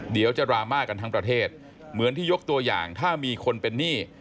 ดราม่ากันทั้งประเทศเหมือนที่ยกตัวอย่างถ้ามีคนเป็นหนี้